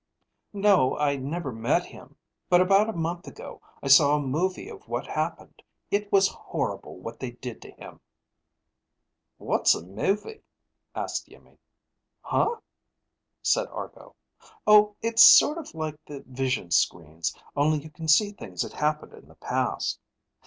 "No, I never met him. But about a month ago I saw a movie of what happened. It was horrible what they did to him." "What's a movie?" asked Iimmi. "Huh?" said Argo. "Oh, it's sort of like the vision screens, only you can see things that happened in the past.